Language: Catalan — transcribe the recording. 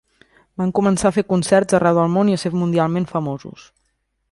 Van començar a fer concerts a arreu del món i a ser mundialment famosos.